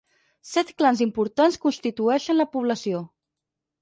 Set clans importants constitueixen la població.